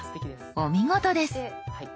お見事です。